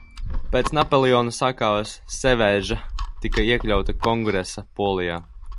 Pēc Napoleona sakāves Seveža tika iekļauta Kongresa Polijā.